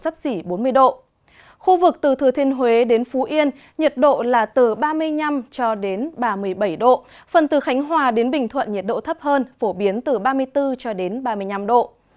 phần từ khánh hòa đến bình thuận nhiệt độ thấp hơn phổ biến từ ba mươi bốn cho đến ba mươi năm độ